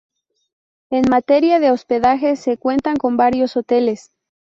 En materia de hospedaje se cuentan con varios hoteles.